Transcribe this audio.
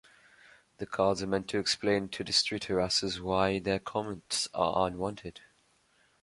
The cards are meant to explain to street harassers why their comments are unwanted.